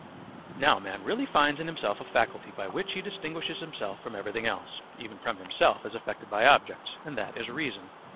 Now man really finds in himself a faculty by which he distinguishes himself from everything else, even from himself as affected by objects, and that is reason.